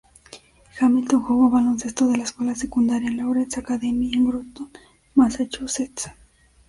Hamilton jugó baloncesto de la escuela secundaria en Lawrence Academy, en Groton, Massachusetts.